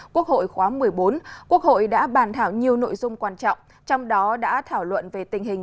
quốc hội khóa một mươi bốn quốc hội đã bàn thảo nhiều nội dung quan trọng trong đó đã thảo luận về tình hình